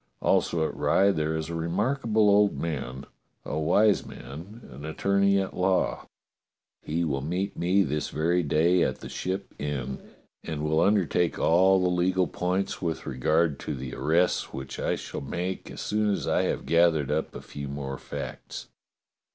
Also at Rye there is a remarkable old man, a wise man, an attorney at law. He will meet me this very day at the Ship Inn, and will undertake all the legal points with regard to the arrests which I shall make as soon as I have gathered up a few more facts.